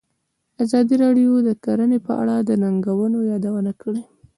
ازادي راډیو د کرهنه په اړه د ننګونو یادونه کړې.